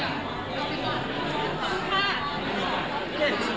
โอ้โหต้องน้อง